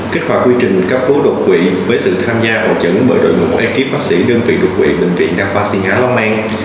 kết quả quy trình cấp cứu đột quỷ với sự tham gia bảo chẩn bởi đội ngũ ekip bác sĩ đơn vị đột quỷ bệnh viện đa khoa xuyên á long an